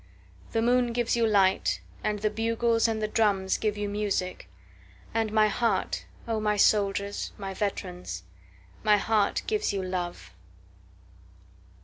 9The moon gives you light, And the bugles and the drums give you music; And my heart, O my soldiers, my veterans, My heart gives you love.